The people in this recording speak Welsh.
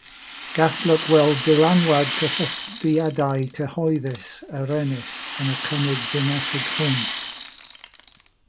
Gallwch weld dylanwad cysylltiadau cyhoeddus yr Ynys yn y cynnig Dinesig hwn.